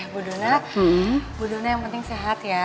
budona yang penting sehat ya